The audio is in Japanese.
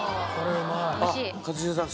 一茂さん